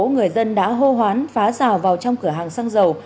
người dân đã hô hoán phá rào vào trong cửa hàng xăng dầu